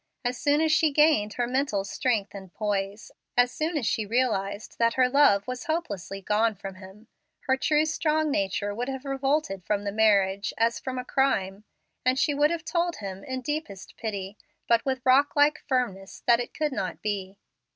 As soon as she gained her mental strength and poise as soon as she realized that her love was hopelessly gone from him her true, strong nature would have revolted from the marriage as from a crime, and she would have told him, in deepest pity, but with rock like firmness, that it could not be.